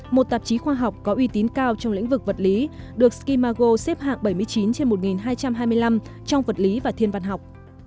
một tạp chí khoa học có uy tín cao trong lĩnh vực vật lý được skimago xếp hạng bảy mươi chín trên một hai trăm hai mươi năm trong vật lý và thiên văn học